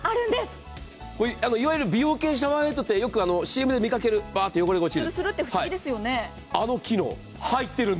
いわゆる美容系シャワーヘッドってよくＣＭで見掛ける、スルスルッと汚れが取れる。